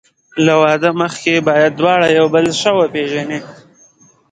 له واده مخکې باید دواړه یو بل ښه وپېژني.